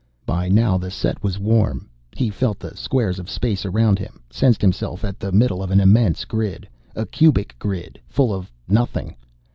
By now the set was warm. He felt the squares of space around him, sensed himself at the middle of an immense grid, a cubic grid, full of nothing.